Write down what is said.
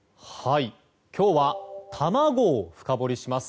今日は卵を深掘りします。